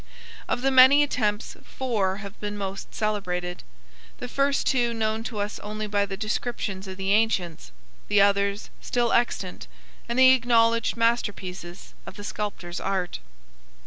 Of the many attempts FOUR have been most celebrated, the first two known to us only by the descriptions of the ancients, the others still extant and the acknowledged masterpieces of the sculptor's art.